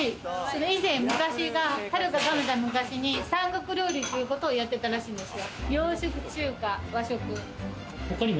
うち、以前、昔、はるかかなた昔に三国料理ということをやってたらしいんですよ。